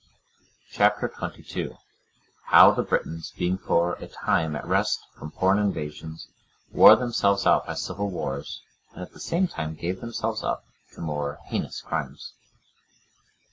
Chap. XXII. How the Britons, being for a time at rest from foreign invasions, wore themselves out by civil wars, and at the same time gave themselves up to more heinous crimes.